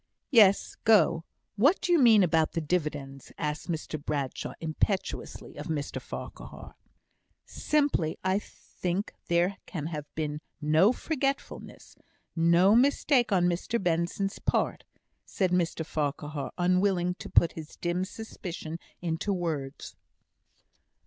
"Yes. Go. What do you mean about the dividends?" asked Mr Bradshaw, impetuously of Mr Farquhar. "Simply, that I think there can have been no forgetfulness no mistake on Mr Benson's part," said Mr Farquhar, unwilling to put his dim suspicion into words.